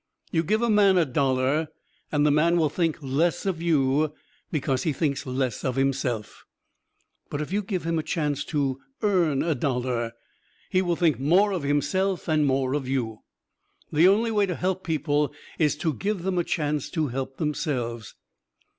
You give a man a dollar and the man will think less of you because he thinks less of himself; but if you give him a chance to earn a dollar, he will think more of himself and more of you. The only way to help people is to give them a chance to help themselves.